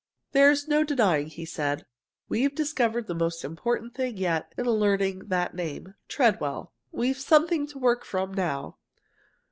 "There's no denying," he said, "we've discovered the most important thing yet in learning that name Treadwell. We've something to work from now.